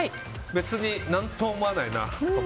別に、何とも思わないな。